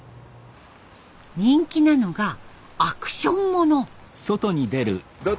人気なのがアクションもの。